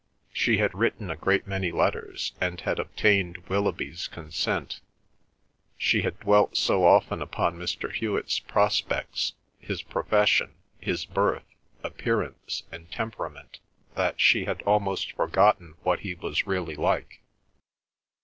She had written a great many letters, and had obtained Willoughby's consent. She had dwelt so often upon Mr. Hewet's prospects, his profession, his birth, appearance, and temperament, that she had almost forgotten what he was really like.